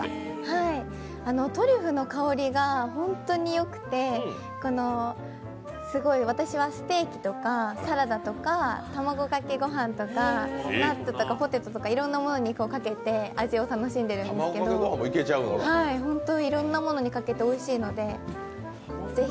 トリュフの香りが本当によくて、私はステーキとかサラダとか卵かけ御飯とか、ナッツとかポテトとかいろんなものにかけて楽しんでいるんですけどほんといろんなものにかけて、おいしいので、ぜひ。